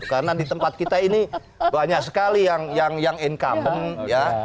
karena di tempat kita ini banyak sekali yang incumbent ya